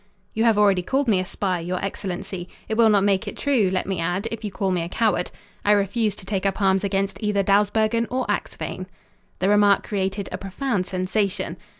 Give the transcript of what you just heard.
"You have already called me a spy, your excellency. It will not make it true, let me add, if you call me a coward. I refuse to take up arms against either Dawsbergen or Axphain." The remark created a profound sensation.